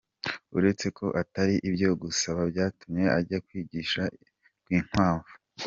Uretse ko atari ibyo gusa byatumye ajya kwigisha i Rwinkwavu!